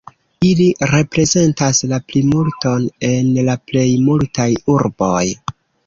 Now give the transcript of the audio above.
Ili reprezentas la plimulton en la plej multaj urboj.